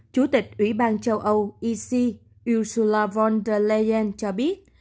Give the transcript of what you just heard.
chủ tịch ủy ban châu âu ec ursula von der leyen cho biết